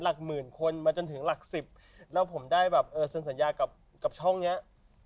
หลักหมื่นคนมาจนถึงหลักสิบแล้วผมได้แบบเออเซ็นสัญญากับช่องเนี้ย